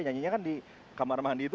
nyanyinya kan di kamar mandi itu